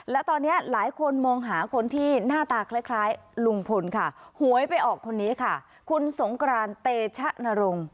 และตอนนี้หลายคนมองหาคนที่หน้าตาคล้ายลุงพลค่ะหวยไปออกคนนี้ค่ะคุณสงกรานเตชะนรงค์